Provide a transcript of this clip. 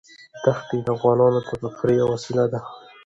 دښتې د افغانانو د تفریح یوه وسیله ده.